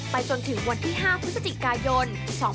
จนถึงวันที่๕พฤศจิกายน๒๕๖๒